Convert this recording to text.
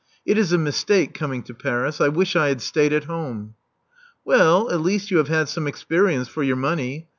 It is a mistake ciming to Paris. I wish I had stayed at home." '•Well, at least you have had some, experience for your money.